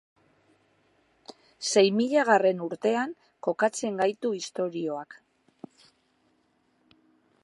Sei milagarren urtean kokatzen gaitu istorioak.